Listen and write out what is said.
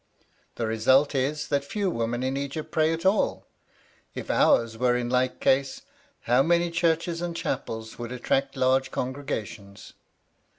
The result is that few women in Egypt pray at all. If ours were in like case, how many churches and chapels would attract large congregations?